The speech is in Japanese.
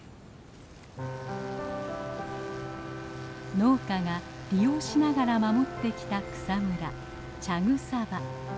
農家が利用しながら守ってきた草むら茶草場。